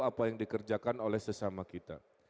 apa yang dikerjakan oleh sesama kita